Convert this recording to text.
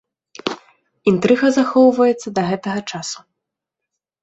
Інтрыга захоўваецца да гэтага часу.